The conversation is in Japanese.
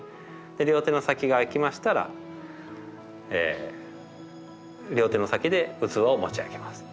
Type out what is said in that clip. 両手の先があきましたら両手の先で器を持ち上げます。